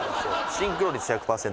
シンクロ率１００％